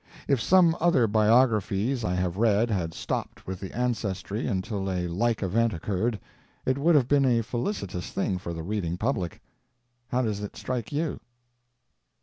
If some other biographies I have read had stopped with the ancestry until a like event occurred, it would have been a felicitous thing for the reading public. How does it strike you?